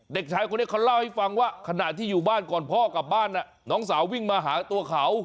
เด็กชายคนนี้เขาเล่าให้ฟังว่าขณะที่อยู่บ้านก่อนพ่อกลับบ้านน้องสาววิ่งมาหาตัวเขา